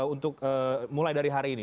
untuk mulai dari hari ini